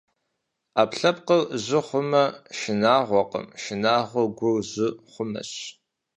Ӏэпкълъэпкъыр жьы хъумэ шынагъуэкъым, шынагъуэр гур жьы хъумэщ.